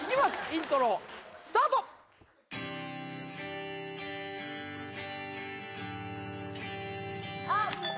イントロスタートあっ！